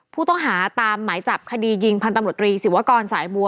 ผู้ต้องหาตามหมายจับคดียิงพันธมตรีศิวากรสายบัว